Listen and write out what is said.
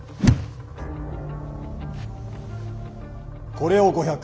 これを５００。